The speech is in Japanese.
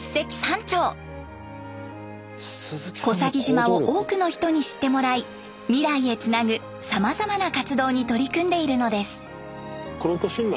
小佐木島を多くの人に知ってもらい未来へつなぐさまざまな活動に取り組んでいるのです。